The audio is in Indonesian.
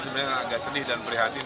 sebenarnya agak sedih dan prihatin